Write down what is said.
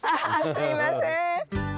すいません。